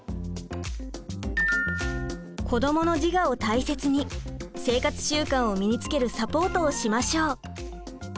子どもの自我を大切に生活習慣を身につけるサポートをしましょう。